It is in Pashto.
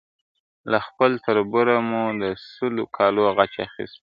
له خپل تربوره مو د سلو کالو غچ اخیستی !.